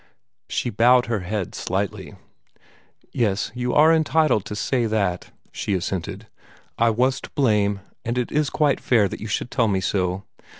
She bowed her head slightly. "Yes, you are entitled to say that," she assented. "I was to blame, and it is quite fair that you should tell me so.